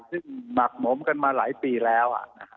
ซึ่งหมักหมมกันมาหลายปีแล้ว